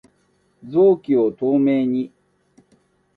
臓器を透明に